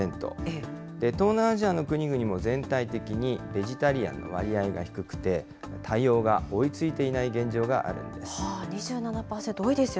東南アジアの国々も全体的にベジタリアンの割合が低くて、対応が追いついていない現状があるんです。